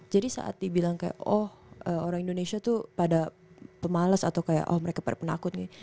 jadi saat dibilang kayak oh orang indonesia tuh pada pemales atau kayak oh mereka pada penakut